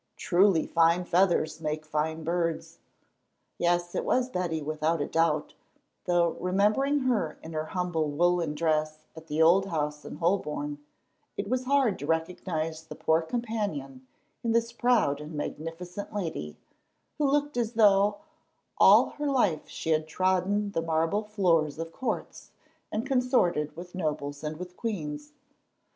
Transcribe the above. Truly fine feathers make fine birds." Yes, Betty it was without a doubt, though, remembering her in her humble woollen dress at the old house in Holborn, it was hard to recognise the poor companion in this proud and magnificent lady, who looked as though all her life she had trodden the marble floors of courts, and consorted with nobles and with queens.